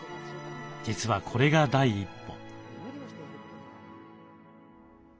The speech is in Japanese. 実はこれが第一歩。